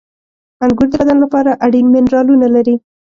• انګور د بدن لپاره اړین منرالونه لري.